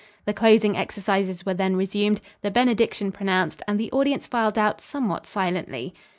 The closing exercises were then resumed, the benediction pronounced and the audience filed out somewhat silently.